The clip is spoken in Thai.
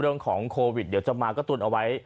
เรื่องของโควิดเดี๋ยวจะมากระตุ้นเอาไว้